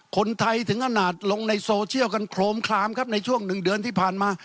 คนไทยถึงขนาดลงในโซเชียลกันโครมคลามครับในช่วงหนึ่งเดือนที่ผ่านมา